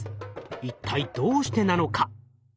一体どうしてなのか？